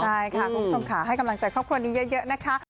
ใช่ค่ะคุณผู้ชมค่ะให้กำลังใจครอบครัวนี้เยอะนะคะ